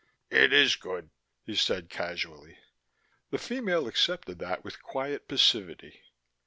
"It is good," he said casually. The female accepted that with quiet passivity.